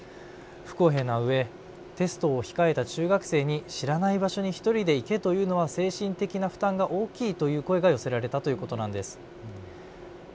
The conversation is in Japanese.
不公平なうえテストを控えた中学生に知らない場所に１人で行けというのは精神的な負担が大きいという声が寄せられたということなんです。